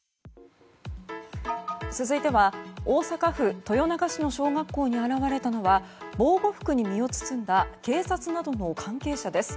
続いては大阪府豊中市の小学校に現れたのは防護服に身を包んだ警察などの関係者です。